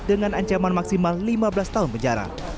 dengan ancaman maksimal lima belas tahun penjara